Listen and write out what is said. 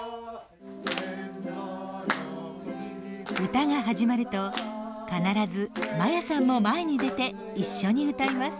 歌が始まると必ずまやさんも前に出て一緒に歌います。